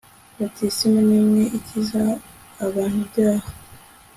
batisimu ni imwe ikiza abant'ibyaha